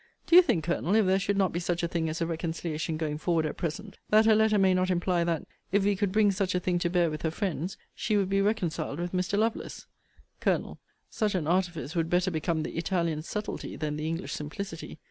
Do you think, Colonel, if there should not be such a thing as a reconciliation going forward at present, that her letter may not imply that, if we could bring such a thing to bear with her friends, she would be reconciled with Mr. Lovelace? Col. Such an artifice would better become the Italian subtilty than the English simplicity.